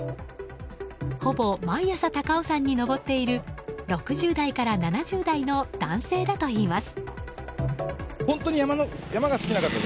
ほぼ毎朝、高尾山に登っている６０代から７０代の男性だといいます。